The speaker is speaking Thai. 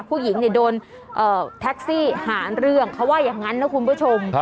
ผู้หญิงโดนแท็กซี่หาเรื่องเขาว่าอย่างนั้นนะคุณผู้ชม